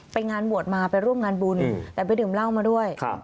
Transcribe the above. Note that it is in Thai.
งานบวชมาไปร่วมงานบุญแต่ไปดื่มเหล้ามาด้วย